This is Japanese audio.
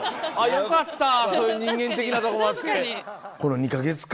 よかったそういう人間的なとこあって。